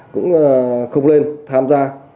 cũng không nên tham gia